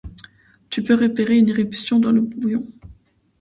tu peux repérer une éruption dans le bouillon.